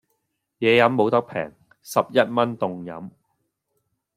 野飲無得平,十一蚊凍飲